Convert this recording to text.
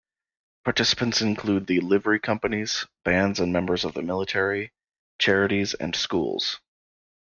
Participants include the livery companies, bands and members of the military, charities and schools.